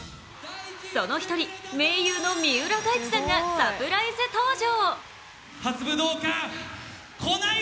その一人、盟友の三浦大知さんがサプライズ登場。